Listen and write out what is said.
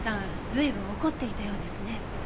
随分怒っていたようですね。